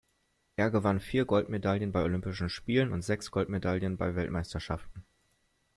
Er gewann vier Goldmedaillen bei Olympischen Spielen und sechs Goldmedaillen bei Weltmeisterschaften.